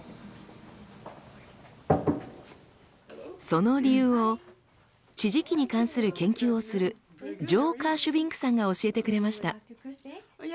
その理由を地磁気に関する研究をするジョー・カーシュビンクさんが教えてくれました。